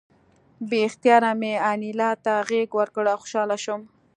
بې اختیاره مې انیلا ته غېږ ورکړه او خوشحاله شوم